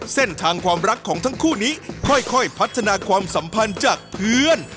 เส้นทางความรักของทั้งคู่นี้ค่อยพัฒนาความสัมพันธ์จากเพื่อน